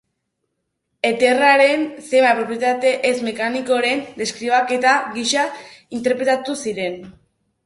Eterraren zenbait propietate ez-mekanikoren deskribaketa gisa interpretatu ziren.